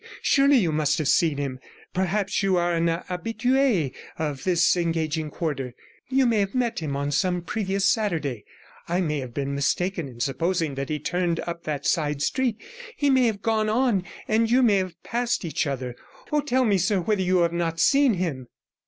Surely you must have seen him. Perhaps you are an habitue of this engaging quarter; you may have met him on some previous Saturday. I may have been mistaken in supposing that he turned up that side street; he may have gone on, and you may have passed each other. Oh, tell me, sir, whether you have not seen him?'